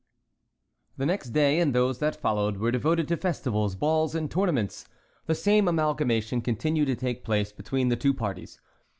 The next day and those that followed were devoted to festivals, balls, and tournaments. The same amalgamation continued to take place between the two parties.